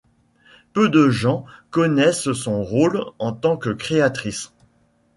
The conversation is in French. Peu de gens connaissent son rôle en tant que créatrice.